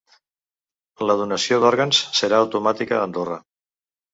La donació d’òrgans serà automàtica a Andorra.